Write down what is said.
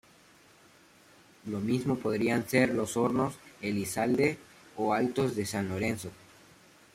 Los mismos podrían ser: "Los Hornos, Elizalde o Altos de San Lorenzo".